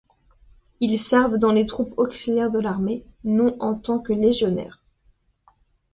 Ils servent dans les troupes auxiliaires de l'armée, non en tant que légionnaires.